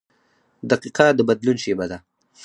• دقیقه د بدلون شیبه ده.